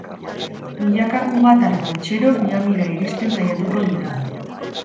Milaka kubatar baltsero Miamira iristen saiatuko dira.